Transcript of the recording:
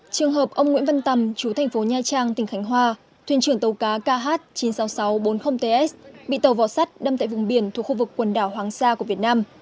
trường hợp ông nguyễn văn tằm chú thành phố nha trang tỉnh khánh hòa thuyền trưởng tàu cá kh chín mươi sáu nghìn sáu trăm bốn mươi ts bị tàu vỏ sắt đâm tại vùng biển thuộc khu vực quần đảo hoàng sa của việt nam